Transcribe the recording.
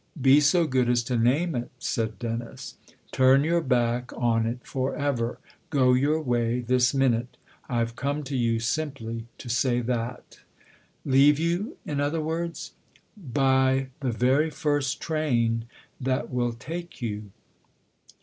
" Be so good as to name it," said Dennis. " Turn your back on it for ever go your way this minute. I've come to you simply to say that." " Leave you, in other words ?"" By the very first train that will take you."